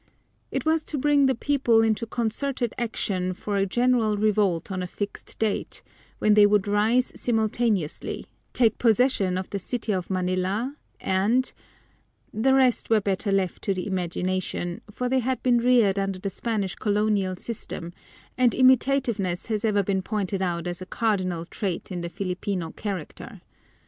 It was to bring the people into concerted action for a general revolt on a fixed date, when they would rise simultaneously, take possession of the city of Manila, and the rest were better left to the imagination, for they had been reared under the Spanish colonial system and imitativeness has ever been pointed out as a cardinal trait in the Filipino character.